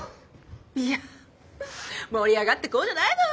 いや盛り上がっていこうじゃないの！